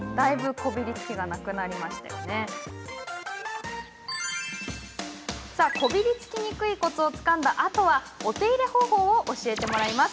こびりつきにくいコツをつかんだあとはお手入れ方法を教えてもらいます。